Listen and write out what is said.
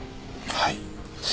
はい。